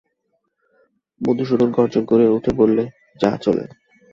মধুসূদন গর্জন করে উঠে বললে, যা চলে।